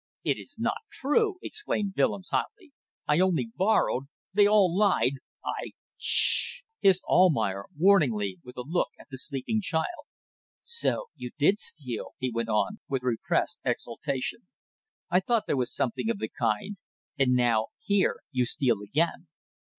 "It is not true!" exclaimed Willems, hotly. "I only borrowed. ... They all lied! I ..." "Sh sh!" hissed Almayer, warningly, with a look at the sleeping child. "So you did steal," he went on, with repressed exultation. "I thought there was something of the kind. And now, here, you steal again."